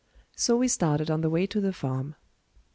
So we started on the way to the farm.